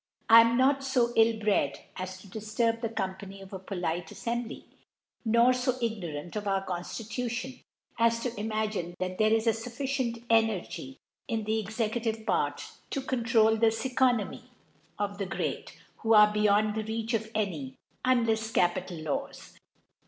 I am not ill bred as to diAurb the Company at a poi * Af&mbly ; nor fo ignorant of our Conf tution, as to imagine, that there is a fufficic Energy in the executive Part to contrc the Oeconomy of the Great, who are t C 6 yo ( 36 ) yond the Reach of any, unlefs capital Laws.